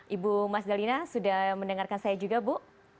ibu mas dalina sudah mendengarkan saya juga bu